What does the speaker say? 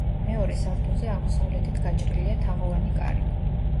მეორე სართულზე აღმოსავლეთით გაჭრილია თაღოვანი კარი.